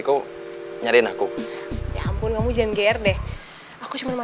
saya ajak boncengan lah